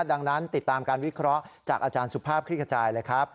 ดังนั้นติดตามการวิเคราะห์จากอาจารย์สุภาพคลิกขจายเลยครับ